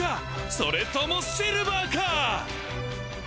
それともシルヴァーかー！